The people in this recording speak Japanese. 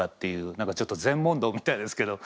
何かちょっと禅問答みたいですけど。